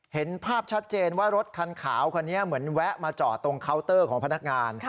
เห็นภาพชัดเจนว่ารถคันขาวคันนี้เหมือนแวะมาจอดตรงเคาน์เตอร์ของพนักงาน